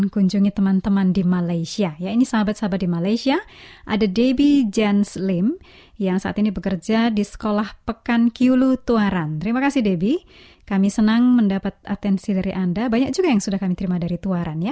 ku mengajak kau mengikut dia dan ku ingin citakan